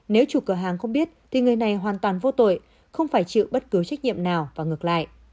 nếu chủ cửa hàng không biết thì người này hoàn toàn vô tội không phải chịu bất cứ trách nhiệm nào và ngược lại